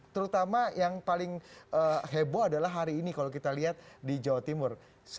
terutama yang paling heboh adalah hari ini kalau kita lihat di jawa timur